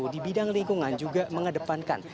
di bidang lingkungan juga mengedepankan